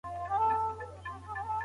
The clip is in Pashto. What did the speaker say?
زکات ورکول فرض دي.